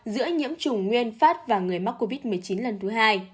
giữa nhiễm chủng nguyên phát và người mắc covid một mươi chín lần thứ hai